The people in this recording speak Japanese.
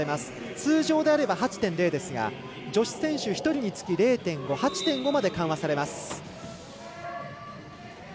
通常であれば８．０ですが女子選手１人につき０．５８．５まで緩和されます。